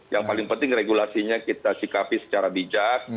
yang paling penting regulasinya kita sikapi secara bijak